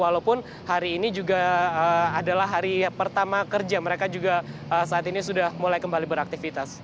walaupun hari ini juga adalah hari pertama kerja mereka juga saat ini sudah mulai kembali beraktivitas